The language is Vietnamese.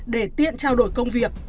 để tiện trao đổi công việc